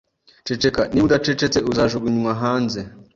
Ceceka. Niba udacecetse, uzajugunywa hanze.